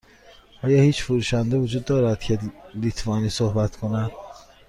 آیا هیچ فروشنده وجود دارد که لیتوانی صحبت کند؟